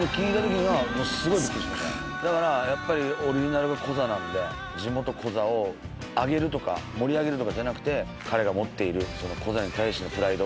やっぱりコザなんで地元コザを上げるとか盛り上げるとかじゃなくて彼が持っているコザに対してのプライド。